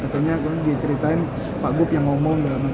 dia ceritain pak gup yang ngomong